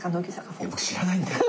僕知らないんだよ。